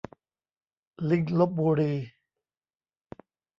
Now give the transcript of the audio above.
ลิงลพบุรี